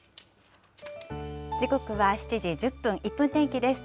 時刻は７時１０分、１分天気です。